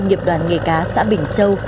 nghiệp đoàn nghề cá xã bình châu